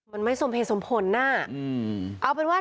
มันไม่สมเพศสมผลพี่